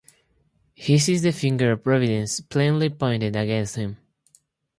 He sees the finger of Providence plainly pointed against him.